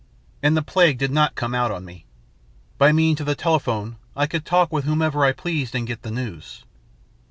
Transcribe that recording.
And the plague did not come out on me. By means of the telephone I could talk with whomsoever I pleased and get the news.